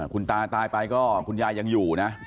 คุณตาตายไปก็คุณยายยังอยู่นะ